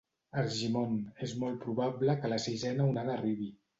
Argimon: “És molt probable que la sisena onada arribi”